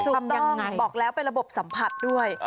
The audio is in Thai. ถูกต้องบอกแล้วเป็นระบบสัมผัสด้วย